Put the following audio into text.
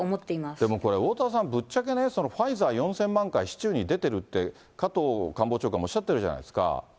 でもこれ、おおたわさん、そのファイザー４０００万回、市中に出てるって、加藤官房長官がおっしゃってるじゃないですか。